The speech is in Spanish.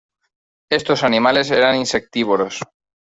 Estos animales eran insectívoros.